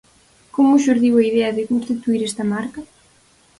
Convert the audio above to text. Como xurdiu a idea de constituír esta marca?